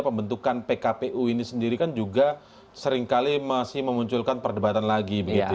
pembentukan pkpu ini sendiri kan juga seringkali masih memunculkan perdebatan lagi